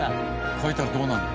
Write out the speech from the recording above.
描いたらどうなるの？